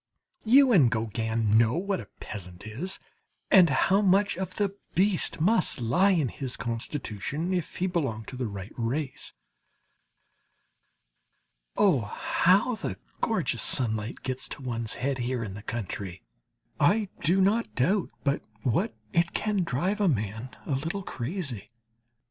You and Gauguin know what a peasant is, and how much of the beast must lie in his constitution if he belong to the right race. Oh, how the gorgeous sunlight gets to one's head here in the country! I do not doubt but what it can drive a man a little crazy.